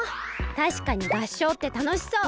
たしかに合唱ってたのしそう！